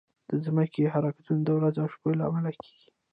د ځمکې حرکتونه د ورځ او شپه لامل کېږي.